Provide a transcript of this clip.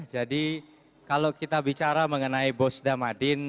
jadi kalau kita bicara mengenai bos damadin